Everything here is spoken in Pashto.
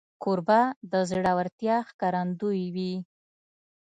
کوربه د زړورتیا ښکارندوی وي.